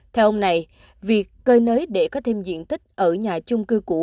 theo ông này việc cơi nới để có thêm diện tích ở nhà chung cư cũ